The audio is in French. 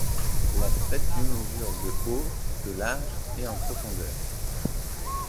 La statue mesure de haut, de large et en profondeur.